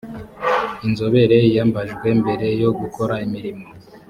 inzobere yiyambajwe mbere yo gukora imirimo